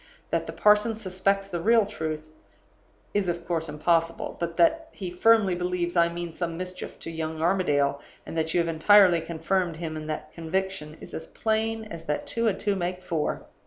That the parson suspects the real truth is of course impossible. But that he firmly believes I mean some mischief to young Armadale, and that you have entirely confirmed him in that conviction, is as plain as that two and two make four.